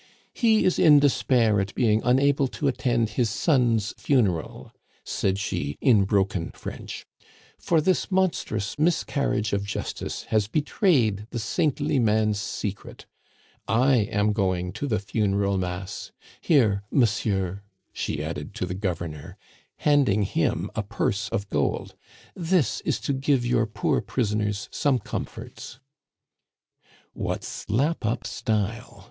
"He is in despair at being unable to attend his son's funeral," said she in broken French, "for this monstrous miscarriage of justice has betrayed the saintly man's secret. I am going to the funeral mass. Here, monsieur," she added to the Governor, handing him a purse of gold, "this is to give your poor prisoners some comforts." "What slap up style!"